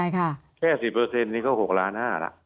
แค่๑๐นี้ก็๖๕ล้าน